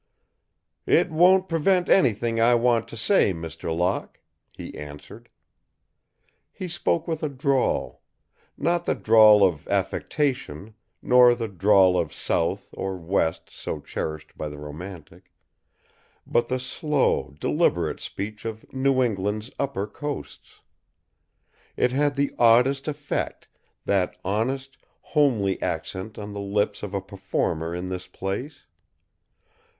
"It won't prevent anything I want to say, Mr. Locke," he answered. He spoke with a drawl. Not the drawl of affectation, nor the drawl of South or West so cherished by the romantic, but the slow, deliberate speech of New England's upper coasts. It had the oddest effect, that honest, homely accent on the lips of a performer in this place.